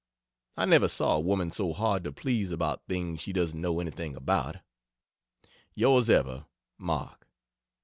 I never saw a woman so hard to please about things she doesn't know anything about. Yours ever, MARK.